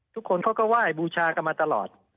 ทุกคนเขาก็ไหว้บูชากันมาตลอด